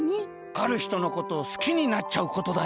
あるひとのことをすきになっちゃうことだよ。